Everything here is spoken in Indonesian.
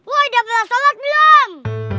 wah udah berasalat belum